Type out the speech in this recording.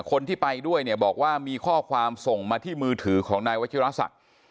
คนที่ไปด้วยเนี่ยบอกว่ามีข้อความส่งมาที่มือถือของนายวัชิราศักดิ์